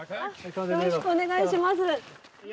よろしくお願いします。